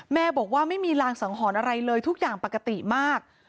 แม่บอกว่าไม่มีรางสังหรณ์อะไรเลยทุกอย่างปกติมาก